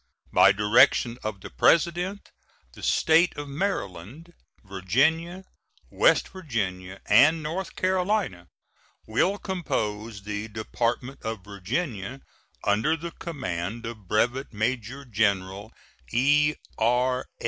By direction of the President, the States of Maryland, Virginia, West Virginia, and North Carolina will compose the Department of Virginia, under the command of Brevet Major General E.R.